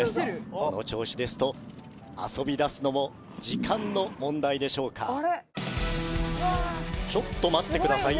この調子ですと遊びだすのも時間の問題でしょうかちょっと待ってください